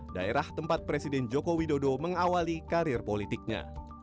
daerah tempat presiden jokowi dodo mengawali karir politiknya